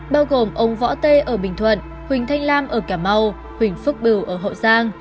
bao gồm ông võ tê ở bình thuận huỳnh thanh lam ở cà mau huỳnh phước bửu ở hậu giang